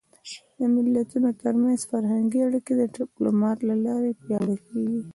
د ملتونو ترمنځ فرهنګي اړیکې د ډيپلومات له لارې پیاوړې کېږي.